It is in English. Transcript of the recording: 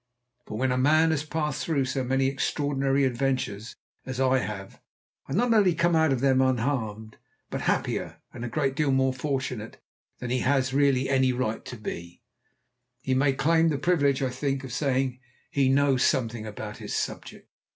For when a man has passed through so many extraordinary adventures as I have, and not only come out of them unharmed, but happier and a great deal more fortunate than he has really any right to be, he may claim the privilege, I think, of saying he knows something about his subject.